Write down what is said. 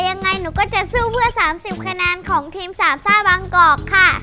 ยังไงก็จะสู้เพื่อ๓๐คะแนนของทีมสาปสาบังกรคค่ะ